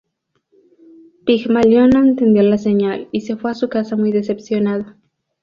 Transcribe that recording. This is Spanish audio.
Pigmalión no entendió la señal y se fue a su casa muy decepcionado.